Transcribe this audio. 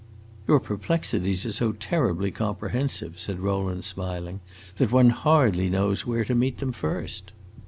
"Your perplexities are so terribly comprehensive," said Rowland, smiling, "that one hardly knows where to meet them first."